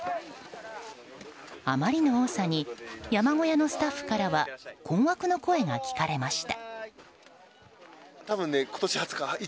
あまりの多さに山小屋のスタッフからは困惑の声が聞かれました。